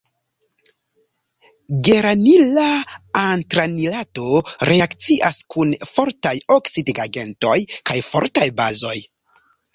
Geranila antranilato reakcias kun fortaj oksidigagentoj kaj fortaj bazoj.